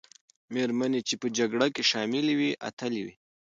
مېرمنې چې په جګړه کې شاملي وې، اتلې وې.